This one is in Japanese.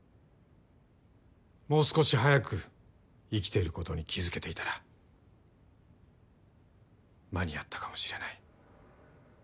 もう少し早く生きていることに気付けていたら間に合ったかもしれない。